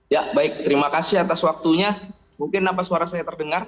ya baik terima kasih atas waktunya mungkin apa suara saya terdengar